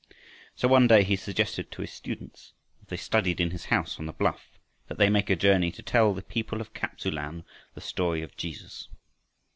So one day he suggested to his students, as they studied in his house on the bluff, that they make a journey to tell the people of Kap tsu lan the story of Jesus.